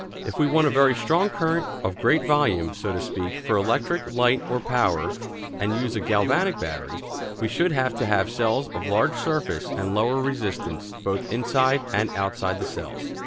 If we want a very strong current of great volume, so to speak, for electric light or power, and use a galvanic battery, we should have to have cells of large surface and lower resistance both inside and outside the cells.